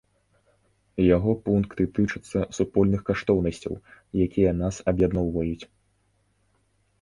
Яго пункты тычацца супольных каштоўнасцяў, якія нас аб'ядноўваюць.